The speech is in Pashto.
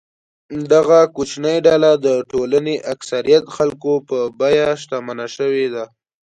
دغه کوچنۍ ډله د ټولنې اکثریت خلکو په بیه شتمنه شوې ده.